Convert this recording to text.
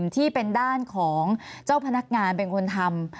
ที่เป็นด้านของเจ้าพนักงานเป็นคนทำ